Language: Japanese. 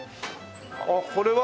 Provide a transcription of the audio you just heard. あっこれは？